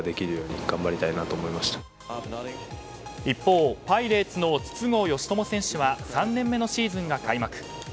一方、パイレーツの筒香嘉智選手は３年目のシーズンが開幕。